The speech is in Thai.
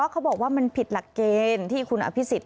เขาบอกว่ามันผิดหลักเกณฑ์ที่คุณอภิษฎ